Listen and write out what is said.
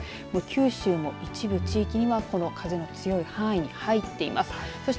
九州も一部地域に風の強い範囲に入っています。